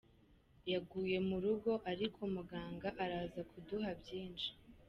Yaguye mu rugo ariko muganga araza kuduha byinshi.”